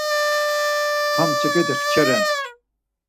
Ham çeǩet̆i kçe ren.